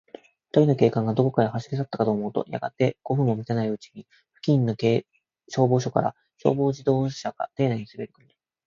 ふたりの警官が、どこかへ走りさったかと思うと、やがて、五分もたたないうちに、付近の消防署から、消防自動車が邸内にすべりこみ、